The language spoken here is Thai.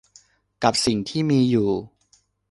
กับสิ่งที่มีอยู่